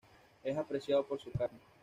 Es apreciado por su carne.